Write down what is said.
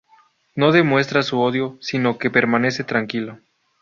No demuestra su odio, sino que permanece tranquilo.